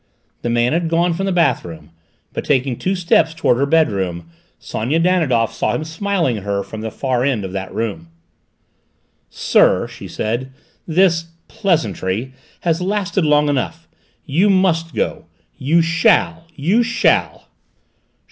The man had gone from the bathroom, but taking two steps towards her bedroom Sonia Danidoff saw him smiling at her from the far end of that room. "Sir," she said, "this pleasantry has lasted long enough. You must go. You shall, you shall!"